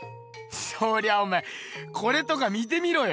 そりゃおめえこれとか見てみろよ。